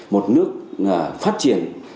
một nước phát triển